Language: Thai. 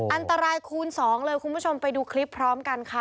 อันตรายคูณสองเลยคุณผู้ชมไปดูคลิปพร้อมกันค่ะ